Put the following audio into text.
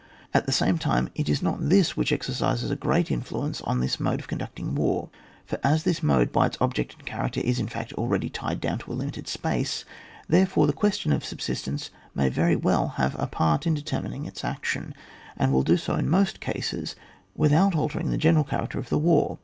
At the same time, it is not this which exercises a great influence on this mode of conducting war, for as this mode, by its object and character, is in fact already tied down to a limited space, therefore the question of subsistence may very well have a part in determining its action — and will do so in most cases — without altering the general character of the war.